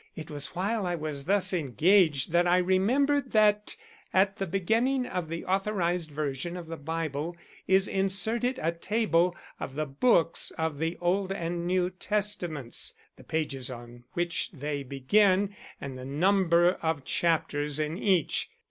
"It was while I was thus engaged that I remembered that at the beginning of the authorised version of the Bible is inserted a table of the books of the Old and New Testaments, the pages on which they begin, and the number of chapters in each.